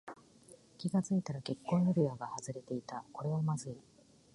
気がついたら結婚指輪が外れていた。これはまずい。